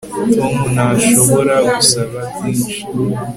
Tom ntashobora gusaba byinshi